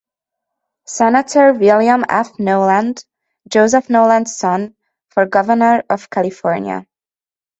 Senator William F. Knowland, Joseph Knowland's son, for governor of California.